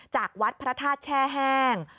จากวัดพระธาตุแช่แห้ง